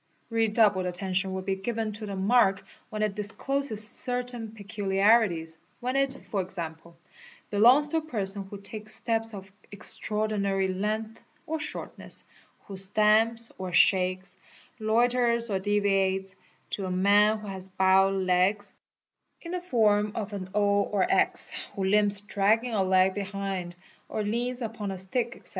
Redoubled tention will be given to the mark when it discloses certain peculiarities, A ' When it, for example, belongs to a person who takes steps of extraordinary eS Fy. 7 2 . Vi 488 FOOTPRINTS length or shortness, who stamps or shakes, loiters or deviates, to a man who has bow legs (in the form of an O or X), who limps dragging a leg" behind or leans upon a stick, etc.